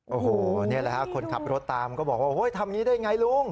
โอ้โหเนี่ยแหละครับคนขับรถตามก็บอกว่าโอ้โหทำงี้ได้ยังไงลุง